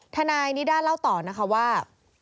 ทนายนิด้าเล่าต่อนะคะว่า